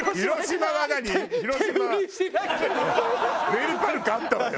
メルパルクあったわよ。